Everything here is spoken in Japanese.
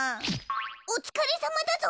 おつかれさまだぞ。